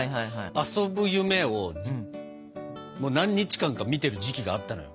遊ぶ夢を何日間か見てる時期があったのよ。